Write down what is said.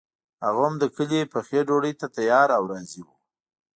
هغه هم د کلي پخې ډوډۍ ته تیار او راضي وو.